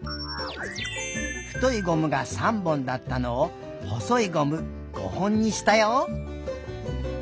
太いゴムが３本だったのを細いゴム５本にしたよ。